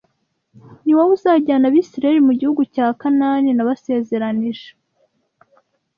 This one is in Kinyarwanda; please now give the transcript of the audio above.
Ni wowe uzajyana Abisirayeli mu gihugu cya Kanaani nabasezeranyije